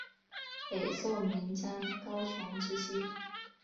北宋名将高琼之妻。